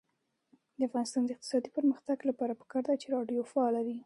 د افغانستان د اقتصادي پرمختګ لپاره پکار ده چې راډیو فعاله وي.